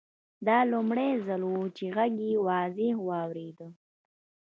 دا لومړی ځل و چې غږ یې واضح واورېد